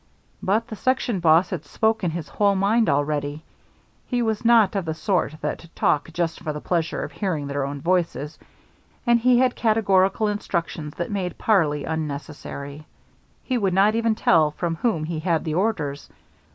But the section boss had spoken his whole mind already. He was not of the sort that talk just for the pleasure of hearing their own voices, and he had categorical instructions that made parley unnecessary. He would not even tell from whom he had the orders.